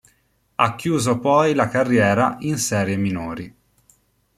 Ha chiuso poi la carriera in serie minori.